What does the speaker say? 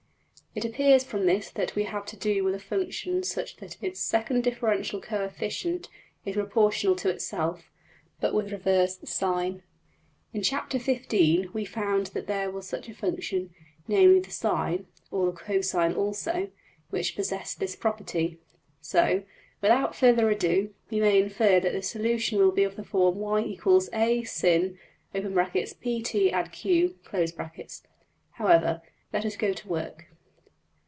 It appears from this that we have to do with a function such that its second differential coefficient is proportional to itself, but with reversed sign. In Chapter~XV. we found that there was such a function namely, the \emph{sine} (or the \emph{cosine} also) which possessed this property. So, without further ado, we may infer that the solution will be of the form $y = A \sin (pt + q)$. However, let us go to work.